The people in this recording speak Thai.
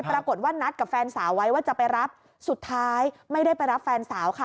ปรากฏว่านัดกับแฟนสาวไว้ว่าจะไปรับสุดท้ายไม่ได้ไปรับแฟนสาวค่ะ